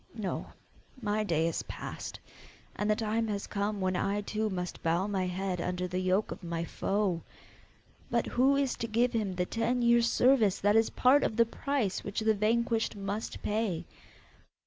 No, my day is past, and the time has come when I too must bow my head under the yoke of my foe! But who is to give him the ten years' service that is part of the price which the vanquished must pay?